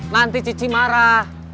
nanti cici marah